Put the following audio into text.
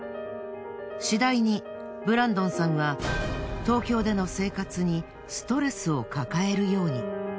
しだいにブランドンさんは東京での生活にストレスを抱えるように。